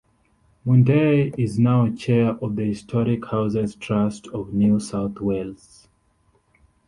Mundey is now Chair of the Historic Houses Trust of New South Wales.